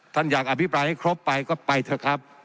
ท่านอยากอภิปรายให้ครบไปก็ไปเถอะครับ